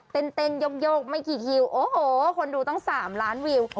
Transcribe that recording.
เต้นโยกไม่กี่คิวโอ้โหคนดูตั้ง๓ล้านวิว